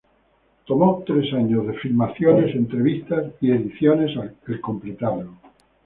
Tomó tres años de filmaciones, entrevistas y ediciones el completarlo.